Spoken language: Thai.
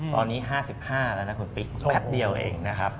ตอนนี้๕๕แล้วนะคุณปิ๊กแป๊บเดียวเองนะครับ